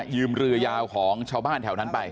ยืมเรือยาวของชาวบ้านแถวนั้นไป